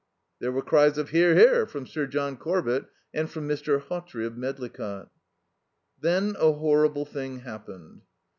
There were cries of "Hear! Hear!" from Sir John Corbett and from Mr. Hawtrey of Medlicott. Then a horrible thing happened.